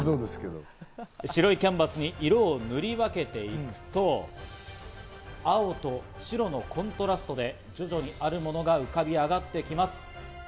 白いキャンバスに色を塗り分けていくと、青と白のコントラストで徐々にあるものが浮かび上がってきます。